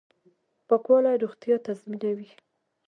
پاکوالی روغتیا تضمینوي